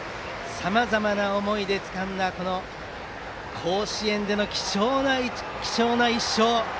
さまざまな思いでつかんだ甲子園での貴重な１勝。